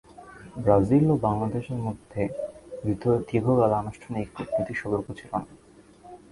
Brazil ও বাংলাদেশের মধ্যে দীর্ঘকাল আনুষ্ঠানিক কূটনৈতিক সম্পর্ক ছিল না।